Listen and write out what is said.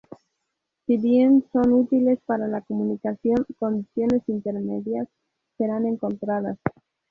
Si bien son útiles para la comunicación, condiciones intermedias serán encontradas".